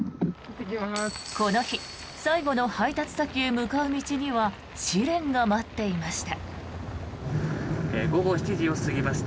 この日最後の配達先へ向かう道には試練が待っていました。